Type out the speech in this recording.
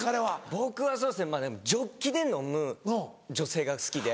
僕はそうですねまぁでもジョッキで飲む女性が好きで。